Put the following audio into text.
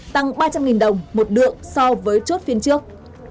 tăng ba trăm linh đồng một lượng so với chốt phiên trước